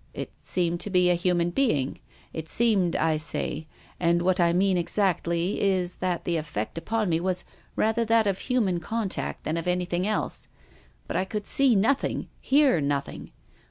"" It seemed to be a human being. It seemed, I say ; and what I mean exactly is that the effect upon me was rather that of human contact than of anything else. But I could see nothing, hear nothing.